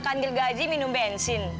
makan gilgaji minum bensin